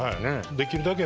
できるだけ